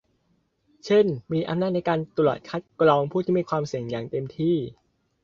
เช่น มีอำนาจในการตรวจคัดกรองผู้ที่มีความเสี่ยงอย่างเต็มที่